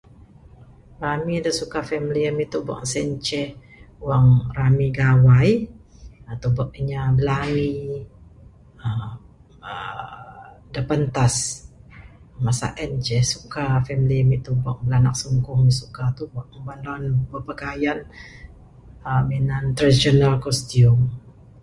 Rami da suka family ami tubek ne sien ceh wang rami gawai tubek inya bilangi uhh da pentas masa en ceh suka family ami tubek ne anak sungkuh ami suka tubek ne anan berpakaian uhh minan traditional costume.